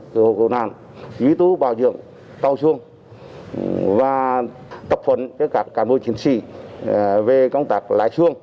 cứu hộ cứu nạn quý tú bảo dưỡng tàu xuông và tập phẩm các cán bộ chiến sĩ về công tác lái xuông